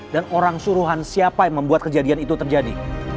dan orang suruhan siapa yang membuat kejadian itu terjadi